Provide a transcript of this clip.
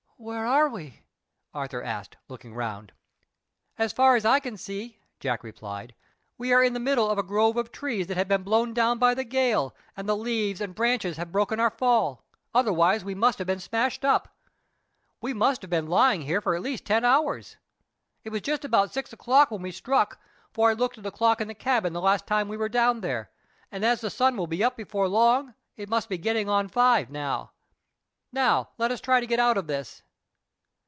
"Where are we?" Arthur asked, looking round. "As far as I can see," Jack replied, "we are in the middle of a grove of trees that have been blown down by the gale, and the leaves and branches have broken our fall; otherwise we must have been smashed up. We must have been lying here for the last ten hours. It was just about six o'clock when we struck, for I looked at the clock in the cabin the last time we were down there; and as the sun will be up before long, it must be getting on for five now. Now, let us try to get out of this."